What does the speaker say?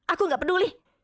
aku gak peduli